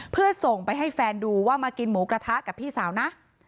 เพื่อส่งไปให้แฟนดูว่ามากินหมูกระทะกับพี่สาวนะ